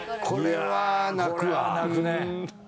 これは泣くね。